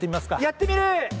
やってみる！